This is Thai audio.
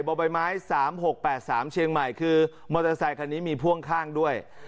บ่อใบไม้๓๖๘๓เชียงใหม่คือมอเตอร์ไซคันนี้มีพ่วงข้างด้วย